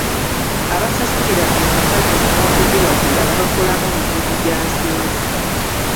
Abasasulira empaka zino n’okuziwagira babakolamu mididi gya nsimbi.